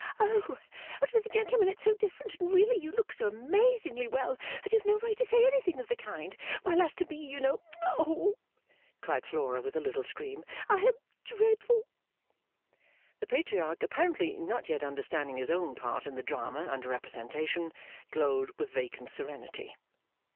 'Oh! But with a gentleman it's so different and really you look so amazingly well that you have no right to say anything of the kind, while, as to me, you know oh!' cried Flora with a little scream, 'I am dreadful!' The Patriarch, apparently not yet understanding his own part in the drama under representation, glowed with vacant serenity.